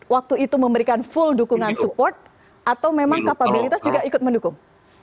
waktu itu memberikan full dukungan support atau memang kapabilitas juga ikut mendukung